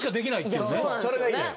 それがいいんよ。